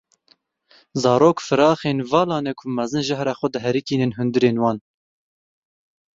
Zarok firaxên vala ne ku mezin jehra xwe diherikînin hindurên wan.